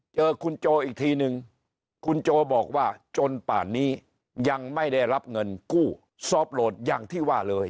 เจอคุณโจอีกทีนึงคุณโจบอกว่าจนป่านนี้ยังไม่ได้รับเงินกู้ซอฟต์โหลดอย่างที่ว่าเลย